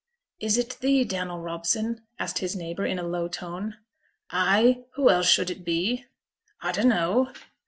'Is it thee, Daniel Robson?' asked his neighbour, in a low tone. 'Ay! Who else should it be?' 'A dunno.'